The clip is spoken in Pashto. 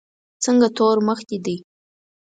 څنګه تور مخ دي دی.